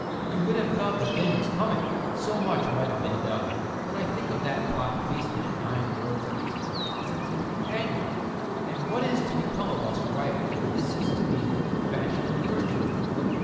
You would have felt the thing was coming. So much might have been done. When I think of that plot wasted in nine words it makes me positively angry. And what is to become of us writers if this is to be the new fashion in literature?